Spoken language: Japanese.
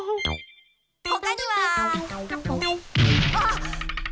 ほかには？あっ！